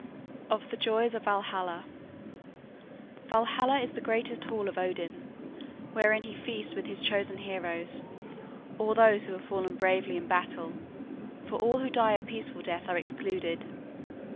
OF THE JOYS OF VALHALLA Valhalla is the great hall of Odin, wherein he feasts with his chosen heroes, all those who have fallen bravely in battle, for all who die a peaceful death are excluded.